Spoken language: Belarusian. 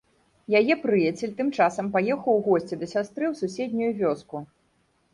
Яе прыяцель тым часам паехаў у госці да сястры ў суседнюю вёску.